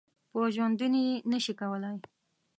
په ژوندوني نه شي کولای .